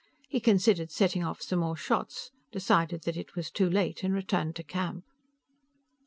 He considered setting off some more shots, decided that it was too late and returned to camp.